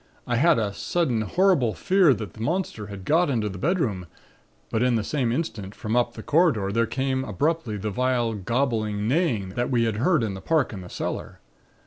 I had a sudden horrible fear that the monster had got into the bedroom, but in the same instant from up the corridor there came abruptly the vile, gobbling neighing that we had heard in the park and the cellar.